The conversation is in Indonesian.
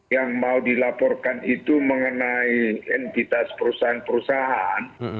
yang mau dilaporkan itu mengenai entitas perusahaan perusahaan